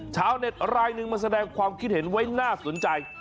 ชาวเน็ตรายหนึ่งมาแสดงความคิดเห็นไว้น่าสนใจ